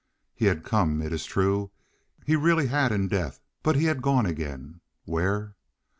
He had come, it is true—he really had in death—but he had gone again. Where?